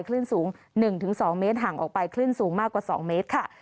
คลื่นสูงหนึ่งถึงสองเมตรห่างออกไปคลื่นสูงมากกว่าสองเมตรค่ะ